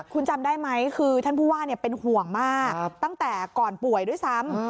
คุณจำได้ไหมคือท่านผู้ว่าเป็นห่วงมากตั้งแต่ก่อนป่วยด้วยซ้ำ